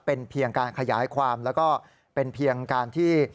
เป็นเพียงการขยายความแล้วก็เป็นเพียงการที่